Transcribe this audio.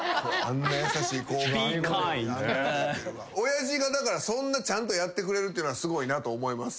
親父がそんなちゃんとやってくれるっていうのはすごいなと思います。